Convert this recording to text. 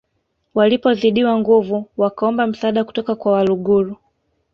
Walipozidiwa nguvu wakaomba msaada kutoka kwa Waluguru